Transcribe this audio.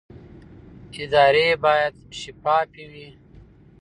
ادارې باید شفافې وي